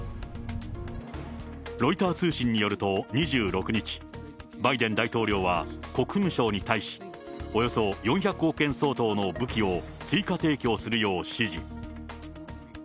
ロイター通信によると２６日、バイデン大統領は国務省に対し、およそ４００億円相当の武器を、追加提供するよう指示。